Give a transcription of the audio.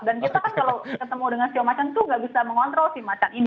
dan kita kan kalau ketemu dengan si macan itu nggak bisa mengontrol si macan ini